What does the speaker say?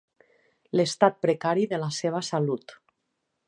L'estat precari de la seva salut.